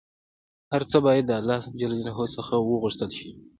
هر څه باید د الله ﷻ څخه وغوښتل شي